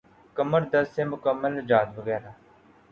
کمر درد سے مکمل نجات وغیرہ